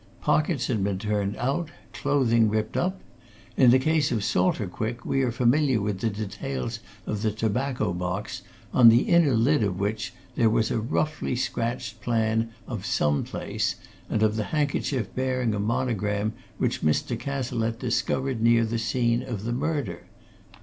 Pockets had been turned out clothing ripped up. In the case of Salter Quick, we are familiar with the details of the tobacco box, on the inner lid of which there was a roughly scratched plan of some place, and of the handkerchief bearing a monogram which Mr. Cazalette discovered near the scene of the murder.